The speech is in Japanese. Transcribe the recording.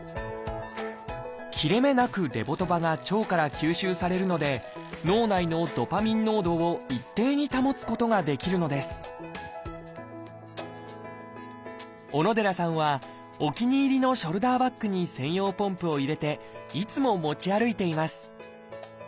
切れ目なくレボドパが腸から吸収されるので脳内のドパミン濃度を一定に保つことができるのです小野寺さんはお気に入りのショルダーバッグに専用ポンプを入れていつも持ち歩いています。